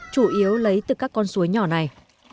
chủ yếu lấy từ các con suối nhỏ này